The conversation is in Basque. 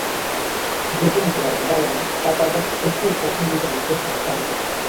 Dokumentuaren arabera, falta horrek ez du hornidurarik eza ekarriko.